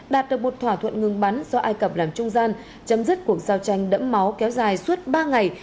đạt được một thỏa thuận ngừng bắn do ai cập làm trung gian chấm dứt cuộc giao tranh đẫm máu kéo dài suốt ba ngày